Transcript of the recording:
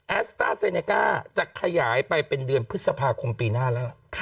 สต้าเซเนก้าจะขยายไปเป็นเดือนพฤษภาคมปีหน้าแล้วล่ะ